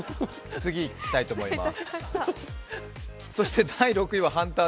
次いきたいと思います。